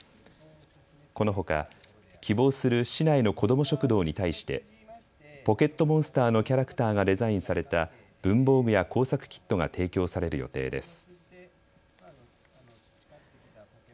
このほか、希望する市内のこども食堂に対してポケットモンスターのキャラクターがデザインされた文房具や工作キットが提供される予定です。